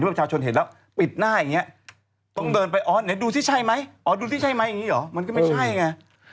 ประชาชนเห็นแล้วปิดหน้าแบบนี้ต้องเดินไปอ๋อดูที่ใช่ไหมมันก็ไม่ใช่ไง